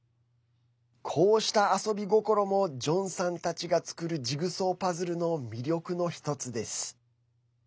こうした遊び心もジョンさんたちが作るジグソーパズルの魅力の一つです。